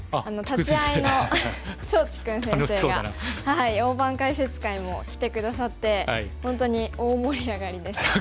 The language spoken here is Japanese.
立会いの趙治勲先生が大盤解説会も来て下さって本当に大盛り上がりでした。